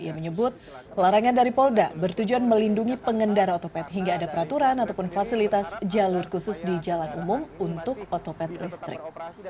ia menyebut larangan dari polda bertujuan melindungi pengendara otopet hingga ada peraturan ataupun fasilitas jalur khusus di jalan umum untuk otopet listrik